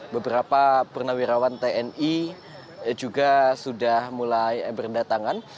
beberapa pernawirawan tni juga sudah mulai berendah tangan